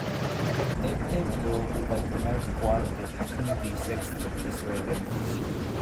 El templo ocupa el primer, cuarto, quinto y sexto piso del edificio.